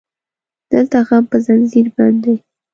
دلته غم په زنځير بند دی